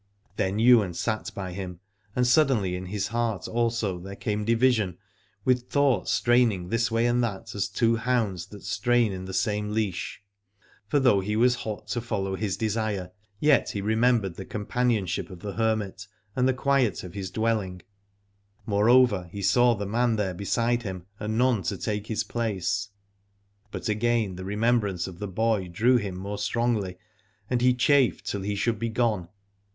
Then Ywain sat by him, and suddenly in his heart also there came division, with thoughts straining this way and that as two hounds that strain in the same leash. For though he was hot to follow his desire, yet he remembered the companionship of the hermit and the quiet of his dwelling; more over, he saw the man there beside him and none to take his place. But again the re membrance of the boy drew him more strongly, and he chafed till he should be gone.